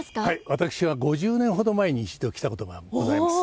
私は５０年ほど前に一度来たことがございます。